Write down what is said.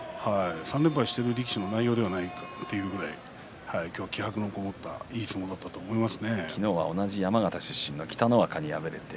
３連敗の力士の内容ではないという気迫のこもったいい相撲だったと思います。